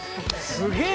すげえ。